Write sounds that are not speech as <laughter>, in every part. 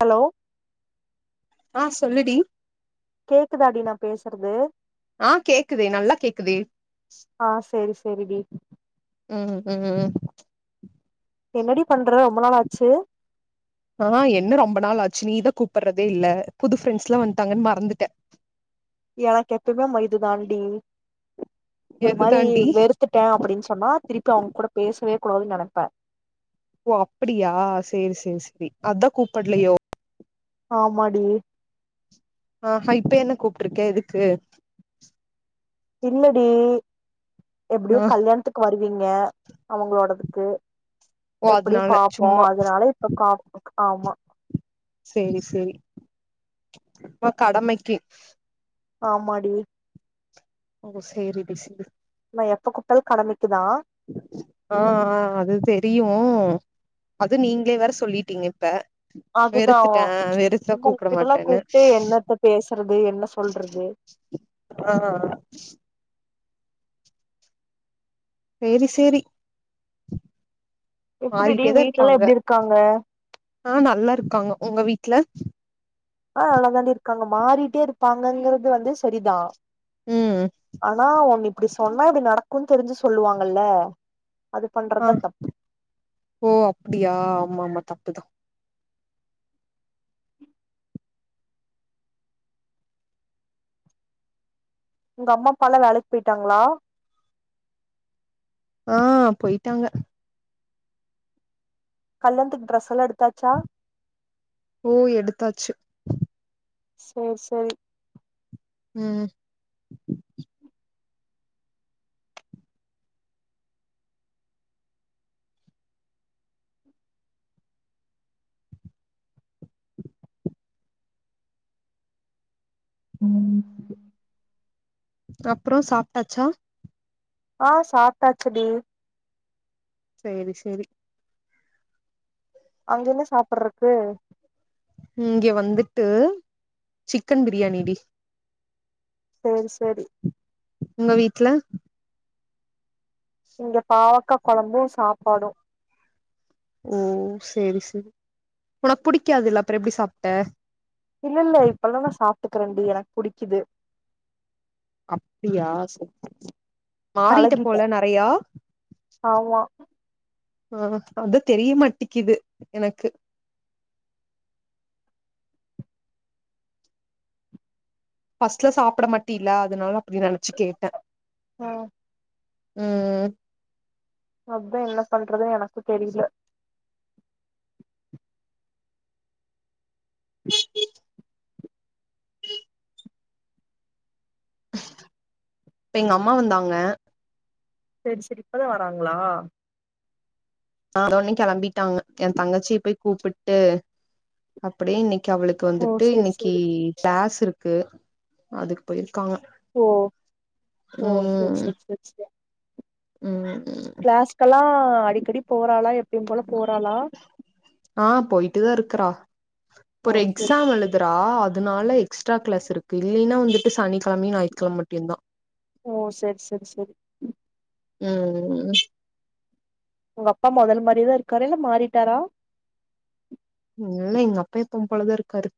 hello ஆ சொல்லுடி கேக்குதாடி நா பேசுறது ஆ கேக்குதே நல்லா கேக்குதே ஆ சேரி சேரிடி ம் ம் ம் என்னடி பண்ற ரொம்ப நாளாச்சு ஆ என்ன ரொம்ப நாள் ஆச்சு நீ தா கூப்புர்றதே இல்ல புது ஃப்ரெண்ட்ஸ்லா வன்ட்டாங்கன் மறந்துட்ட எனக்கு எப்பய்மே மைதுதாண்டி ஒரு மாரி எதுதாண்டி வெறுத்துட்டே அப்டின் சொன்னா திருப்பி அவுங் கூட பேசவே <unintelligible> நெனப்ப ஓ அப்பிடியா சேரி சேரி செரி அதா கூப்புட்லயோ ஆமா டி ஆஹ இப்ப என்ன கூப்ட்ருக்க எதுக்கு என்னடி எப்டியு ஆ கல்யாண்த்துக்கு வருவீங்க அவுங்களோடதுக் கு ஓ எப்டியு அதனால பாப்போ சும்மா அதுனால இப்ப கா ஆமா சேரி சேரி அப்ப கடமக்கி ஆமாடி ஓ சேரிடி சே நா எப்ப கூப்ட்டாலு கடமை ஆ ஆ அது தெரியு அது நீங்க வேற சொல்லிட்டீங்க இப்ப அதுதா வெறுத்துட்டேன் வெறுத்தா சும்மா கூப்ட உங்ககிட்டல்லா மாட்டேன்னு கூப்ட்டு என்னத்த பேசுறது என்ன சொல்றது ஆ செரி செரி எப்டிடி மாறிட்டேதா வீட்லல்லா இருப்பாங்க எப்டி இருக்காங்க ஆ நல்லா இருக்காங்க உங்க வீட் ட்ல ஆ நல்லா தாண்டி இருக்காங்க மாறிட்டே இருப்பாங்கங்கறது வந்து சரிதான் ம் ஆனா உன்னி அப்டி சொன்னா அப்டி நடக்குன் தெரிஞ்சி சொல்லுவாங்கல்ல அது ஆ பண்றதா தப்பு ஓ அப்டியா ஆமா மா தா <unintelligible> உங்கம்மாப்பாலா வேலைக் போய்ட்டாங்ளா ஆ போயிட்டாங்க கல்யாணத்துக் டிரஸ் எல்லா எடுத் ஓ எடுத்தாச்சு சேர் செரி உம் உம் அப்ரோ சாப்ட்டாச்சா ஆ சாப்ட்டாச்சு டி செரி செரி அங்க என்ன சாப்பறக்கு இங்க வந்துட்டு சிக்கன் பிரியாணிடி சரி சரி உங்க வீட்ல இங்க பாவக்கா கொலம்பு சாப்பாடு ஓ செரி செரி உனக்கு புடிக்காதுல்ல அப்ரோ எப்டி சாப்ட்ட இல்லல்ல இப்பெல்லா நா சாப் ப்ரண்டி எனக் புடிக்குது அப்டியா சே மாரிட்ட பழகிட்டே போல நறையா ஆமா ஆ அதான் தெரிய மாட்டிகிது எனக்கு ஃபர்ஸ்ட்லா சாப்ட மாட்டில்ல அதனால அப்டி நனச்சி கேட்டே ம் உம் அதான் என்ன பண்றதுன் எனக்கு தெரில எங்க அம்மா வந்தாங்க செரி செரி இப்பதா வராங்ளா வந்தவுனே கெளம்பிட்டாங்க என் தங்கச்சிய போய் கூப்பிட்டு அப்படியே நிக் அவளுக்கு ஓ வந்துட்டு சேரி இன்னிக்கி சேரி கிளாஸ் இருக்கு அதுக்கு போய் ஓ ஓ செரி ம் செரி செரி செரி ம் கிளாஸ்கல்லா அடிக்கடி போ றாளா எப்பயும் போல போறாளா க்குறா ப ஓ ஒரு செரி எக்ஸாம் எழுதுறா அ துனால எக்ஸ்ட்ரா க்ளாஸ் இருக்கு இல்லைனா வந்துட்டு சனிக்கெழமையு ஞாயித்கெழம் மட்யுந்தா ஓ செர் செரி செரி ம் உங்க அப்பா மொதல மாரிதா இருக்காரா இல்ல மாறிட்டாரா இல்ல எங்க அப்பா எப்பவும் போலதா இருக்காரு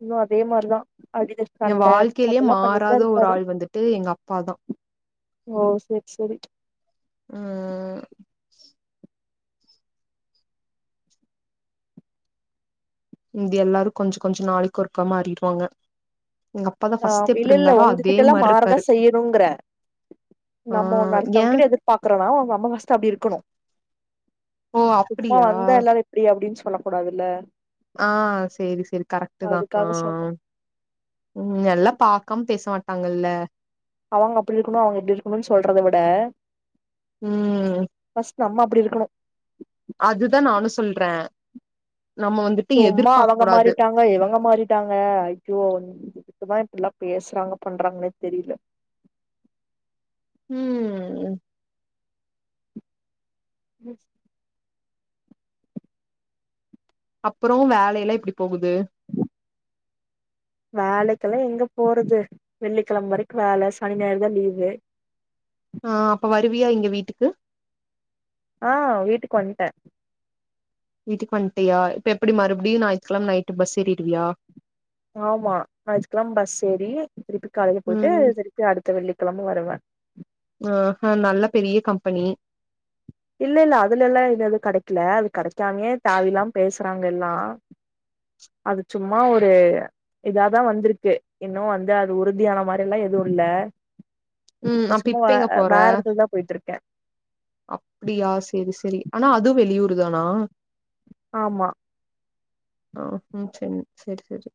இன்னு அதே மாரிதா அடித எ சண்ட வாழ்க்கைலயெ அதெல்லா பண்ணிட்டுதா மாறாத ஒரு இருக்காரு ஆள் வந்துட்டு எங்கப்பாதா ஓ செரி செரி ம் இந்த எல்லாரு கொஞ்ச கொஞ்ச நாளைக்கொருக்கா மாறிருவாங்க ஆ இல்லல்ல உங்ககிட்டல்லா மாறதா இருக்காரு செய்யணுங்குறே ஆ நம்ம ஒன்னு ஏ அடுத்தவ்ங்கிட்ட எதிர்பாக்குறோனா நம்ம ஃபர்ஸ்ட்டு அப்டி இருக்கணு ஓ சும்மா அப்டியா வந்தா எல்லாரு இப்டி அப்டின் சொல்லக்குடாதுல்ல ஆ சேரி சேரி கரெக்ட்டுதா அதுக்காக சொன்னே ம் எல்லாப் பாக்கம் பேச மாட்டாங்கல்ல அவுங்க அப்டி இருக்கணு அவுங்க இப்டி இருக்கணுன் சொல்றத விட ம் ஃபர்ஸ்ட் நம்ம அப்டி இருக்கணு அதுதா நானு சொல்றே நம்ம வந்துட்டு சும்மா எதிர்பாக் அவங்க கூடாது மாறிட்டாங்க இவங்க மாறிட்டாங்க ஐயோ குதா இப்புல்லா பேசுறாங்க பண்றாங்கனே தெரில உம் ம் அப்புறொ வேலைலா எப்டி போகுது வேலைக்கெல்லா எங்க போறது வெள்ளிக்கெழம் வரைக் வேல சனி ஞாயிறு தா லீவு ஆ அப்ப வருவியா இங்க வீட்டுக்கு ஆ வீட்டுக்கு வன்ட்டே வீட்டுக்கு வன்ட்டியா இப்ப எப்புடி மறுபடியு ஞாயித்துக்கெழம நைட்டு பஸ் ஏறிருவியா ஆமா ஞாயித்துக்கெழம் பஸ் ஏறி வீட்டுக் காலைல போய்ட்டு ம் திரிப்பி அடுத்த வெள்ளிக்கெழம வருவே ஆ ஹ நல்ல பெரிய கம்பெனி இல்லெல்ல அதுலெல்லா இது எது கடைக்கல அது கடைக்காமயே தாவில்லாம் பேசுறாங்க எல்லா அது சும்மா ஒரு இதாதா வந்துருக்கு இன்னு வந்து அது உறுதியான மாரி எல்லா எதுவு இல்ல ம் இப்ப அப்ப சும்மா வ எங்க அ போற வேற எடத்துல் தா போயிட்ருக்கே ப்டியா சேரி சேரி ஆனா அதுவ் வெளியூர் தானா ஆமா ஆ ம் சேரி சேரி சேரி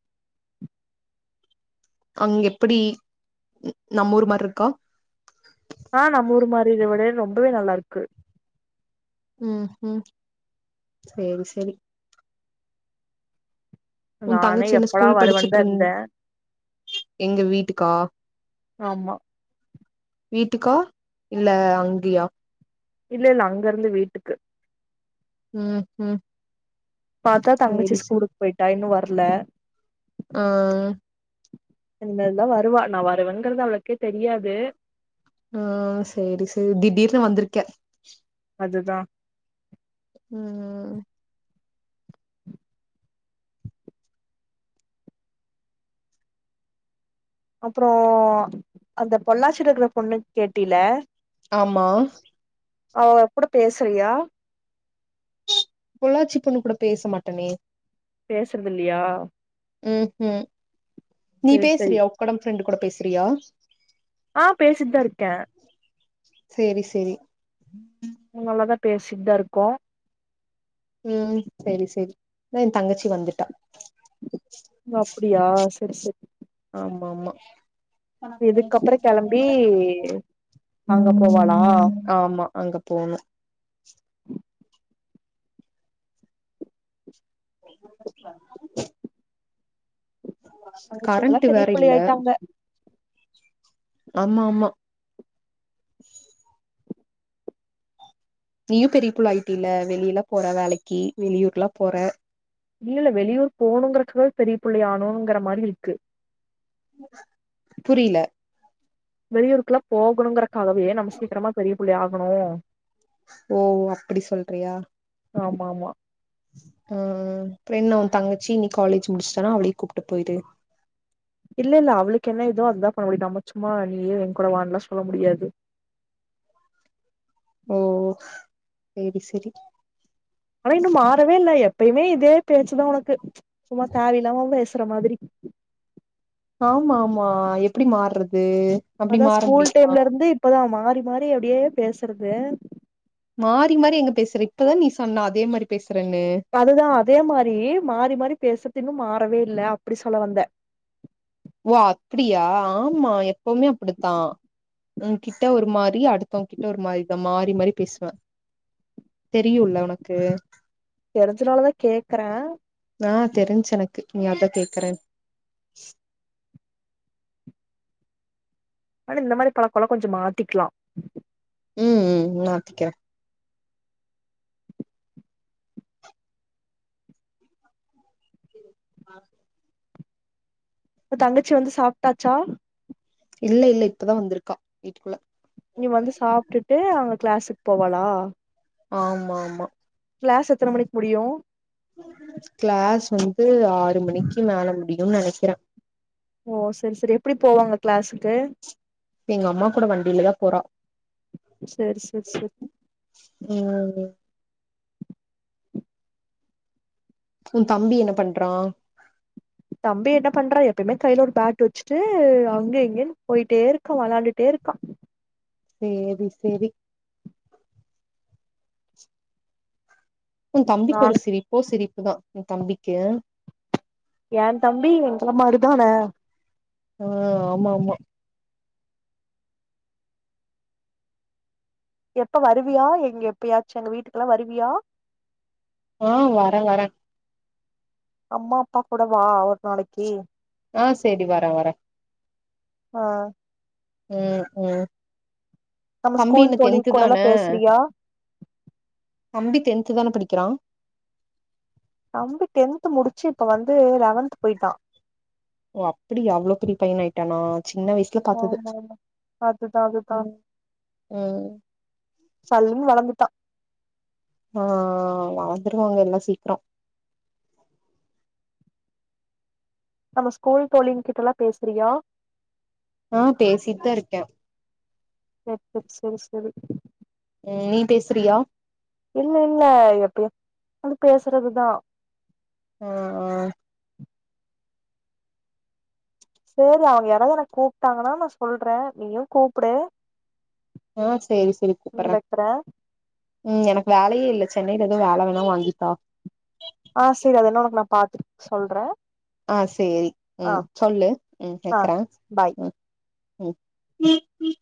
அங்க எப்டி நம்ம ஊர் மாரி இருக்கா ஆ நம்ம ஊர் மாரி ரொம்பவே நல்லா இருக்கு ம் ம் சேரி சேரி உன் நானே தங்கச்சி என்ன எப்பல்லா ஸ்கூல் வருவேன் படிச்சுட்டு தா இருந் இருந்தே எங்க வீட்டுக்கா ஆமா வீட்டுக்கா இல்ல அங்கயா இல்ல இல்ல அங்க இருந்து வீட்டுக்கு ம் ம் பாத்தா தங்கச்சி சேரி சேரி ஸ்கூலுக்கு போயிட்டா இன்னும் வர் வர்ல ஆ <unintelligible> வருவா நா வருவேங்கிறது அவளுக்கே தெரியாது ஆ சரி சரி திடீர்னு வந்திருக்க அதுதான் ம் அப்றோ அந்த பொள்ளாச்சியில இருக்கிற பொண்ணு கேட்டில ஆமா அவ எப்டு பேசிறியா பொள்ளாச்சி பொண்ணு கூட பேச மாட்டனே பேசுறது இல்லியா ம் கு நீ சேரி சேரி பேசுறியா உக்கடம் ஃபிரிண்ட் கூட பேசிறியா ஆ பேசிட்டு தா இருக்கே சேரி சேரி நல்லாதா பேசிட்டுதா இருக்கோம் ம் சேரி சேரி இத தங்கச்சி வந்துட்டா அப்டியா சேரி சேரி ஆமா ஆமா இதுக்க அப்றோ கிளம்பி அங்க போவாளா ஆமா அங்க போனும் <inaudible> தங்கச்சிங்கல்லா கரண்ட் பெரிய வேற புள்ளைங்க இல்ல ஆயிட்டாங்க ஆமா ஆமா நீயும் பெரியப்புள்ள ஆயிட்ட இல்ல வெளில போற வேலைக்கு வெளியூர்க்லாம் போற இல்ல இல்ல வெளியூர் போகணுங்கிற பெரிய புள்ளைய ஆணோங்குற மாரி இருக்கு புரில வெளியூர்க்லாம் போகணுங்கிற கதவே நம்ம சீக்கிரமா தெரியு புள்ளய ஆகணு ஓ அப்டி சொல்றியா ஆமா மா ஆ ஃபிரொண்னோ ஓ தங்கச்சி நீ காலேஜ் முடிஷ்டனா அவலயு கூப்ட்டு போய்டு இல்லல்ல அவளுக்கு என்ன இதோ அதுதா பண்ண முடியு நம்ம சும்மா நீயே என் கூட வான்லா சொல்ல முடியாது ஓ செரி செரி ஆனா இன்னு மாறவே இல்ல எப்பயுமே இதே பேச்சுதா உனக்கு சும்மா <unintelligible> இல்லாம பேசுற மாதிரி ஆமா மா எப்டி மாறுறது அதா ஸ்கூல் டைம்ல இருந்து இப்பதான் மா மாரி அப்டியே பேசறது மாறி மாறி எங்க பேசுற இப்ப தா நீ சொன்ன அதே மாரி பேஸ் அதுதான் அதே மாரி மாறி மாறி பேச இன்னு மாறவே இல்ல அப்டி சொல்ல வந்த ஓ அப்டியா ஆமா எப்பவுமே அப்படித்தா உன் கிட்ட ஒரு மாரி அடுத்தவ்ங்கிட்ட ஒரு மாரி நா மாறி மாறி பேசுவேன் தெரியுல உனக்கு தெரிஞ்சநால தா கேக்கரன் ஆ தெரின்சு எனக்கு நியா தா கேக்குறேன் ஆனா இந்த மாரி பழக்கலா கொஞ்சம் மாத்திக்கலா உம் உம் மாத்திக்கிறேன் <inaudible> உ தங்கச்சி வந்து சாப்டாச்சா இல்ல இல்ல இப்பதா வந்திருக்கா வீட்டுகுள்ள நீ வந்து சாப்ட்டுட்டு அவங்க கிளாஸுக்கு போவாளா ஆமா மா கிளாஸ் எத்தன மணிக்கு முடியு கிளாஸ் வந்து ஆறு மணிக்கு மேல முடியுன் நினைக்கிற ஓ செரி செரி எப்டி போவாங்க கிளாஸுக்கு எங்க அம்மா கூட வண்டிலதா போறா செரி செரி செரி ம் உன் தம்பி என்ன பண்றான் தம்பி என்ன பண்றா எப்பயுமே கைல ஒரு பேட் வச்சுட்டு அங்க இங்கன்னு போயிட்டே இருக்கா வெளாண்டுட்டே இருக்கா செரி செரி உன் நா தம்பிக்கு ஒரு சிரிப்போ சிரிப் அதான் என் தம்பிக்கு யந்தம்பி எங்கள மாறிதான அ ஆமா மா எப்ப வருவியா எங்க எப்பயாச்சு எங்க வீட்டுக்கெல்லா வருவியா ஆ வர வர அம்மா அப்பா கூட வா அவர் நாளைக்கி ஆ செரி வர வர ஆ உம் உம் நம்ம ஸ்கூல் தோழிங் கூடல பேசுறியா த்து தான படிக்கிறா தம்பி டென்த் முடிச்சி இப்ப வந்து லெவன்த் போயிட்டா ஓ அப்டியா அவ்ளோ பெரிய பைனாயிடானா சின்ன வயசுல பாத்தது ஆமா ஆமா அதுதா அதுதா உம் உம் சல்லுன்னு வளந்துட்டா ஆ வளந்துருவாங்க எல்லா சீக்ரோ நம்ம ஸ்கூல் தோழிங்கிட்டல்லா பேசுறியா ஆ பேசிட்தா இருக்கே ஓ ஓ செரி செரி உம் நீ பேசுறியா இல்லல்ல எப்யா வது பேசுறதுதா ஆ சேரி அவங்க யாராவது என கூப்ட்டாங்கன்னா நா சொல்றேன் நீயும் கூப்புடு ஆ செரி செரி ம் கூப்பறே வைக்கிறே உம் எனக்கு வேலயே இல்ல சென்னையில எதும் வேல வேணா வாங்கித்தா ஆ செரி அதெல்லா உனக்கு நா பாத்துட்டு சொல்றே ஆ செரி ஆ உம் சொல்லு உம் ஆ வெக்ர பாய் உம் உம் கீகீ